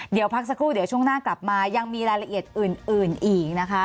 เดี๋ยวพักสักครู่เดี๋ยวช่วงหน้ากลับมายังมีรายละเอียดอื่นอีกนะคะ